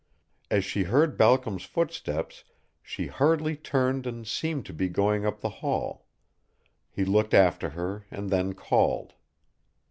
As she heard Balcom's footsteps she hurriedly turned and seemed to be going up the hall. He looked after her and then called.